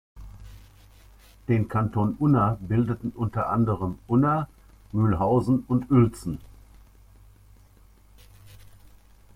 Den Kanton Unna bildeten unter anderen Unna, Mühlhausen und Uelzen.